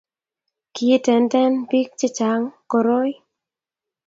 kiitenten biik che chang' koroi